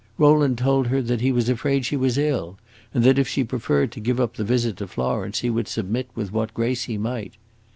Rowland told her that he was afraid she was ill, and that if she preferred to give up the visit to Florence he would submit with what grace he might.